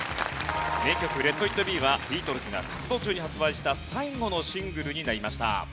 名曲『レット・イット・ビー』はビートルズが活動中に発売した最後のシングルになりました。